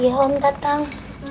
iya om datang